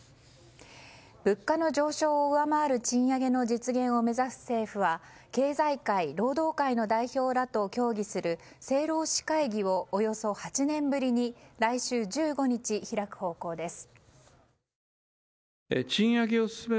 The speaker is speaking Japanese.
物価の上昇を上回る賃上げの実現を目指す政府は経済界、労働界の代表らと協議する政労使会議をおよそ８年ぶりに来週１５日開く方向です。